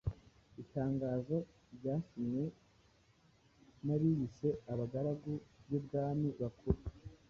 itangazo ryasinywe n'abiyise "Abagaragu b'ibwami bakuru".